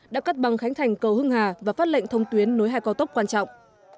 đã cắt băng khánh thành cầu hưng hà và phát lệnh thông tuyến nối hai cao tốc quan trọng